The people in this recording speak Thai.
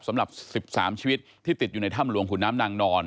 สำหรับ๑๓ชีวิตที่ติดอยู่ในถ้ำหลวงขุนน้ำนางนอน